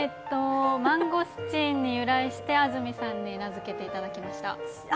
マンゴスチンに由来して安住さんに名付けていただきました。